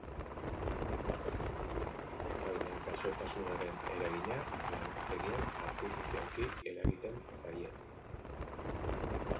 Baina gaixotasunaren eragina laborategian artifizialki eragiten zaie.